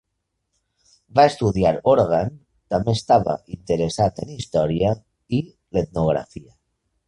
Va estudiar òrgan, també estava interessat en història i l'etnografia.